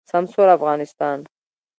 سمسور افغانستان